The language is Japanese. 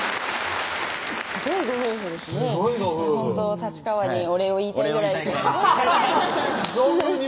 立川にお礼を言いたいぐらいです